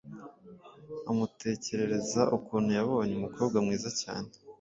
Amutekerereza ukuntu yabonye umukobwa mwiza cyane,